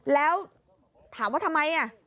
แล้วถามว่าทำไม